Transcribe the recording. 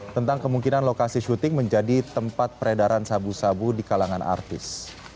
tentang kemungkinan lokasi syuting menjadi tempat peredaran sabu sabu di kalangan artis